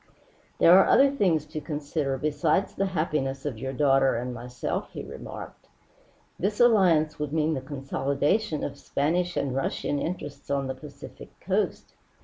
"There are other things to consider besides the happiness of your daughter and myself," he remarked. "This alliance would mean the consolidation of Spanish and Russian interests on the Pacific coast.